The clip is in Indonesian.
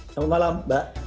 selamat malam mbak